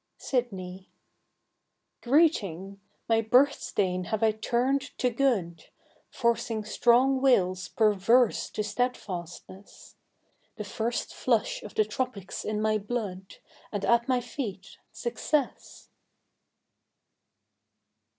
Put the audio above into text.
Sydney. Greeting! My birth stain have I turned to good; Forcing strong wills perverse to steadfastness; The first flush of the tropics in my blood, And at my feet Success!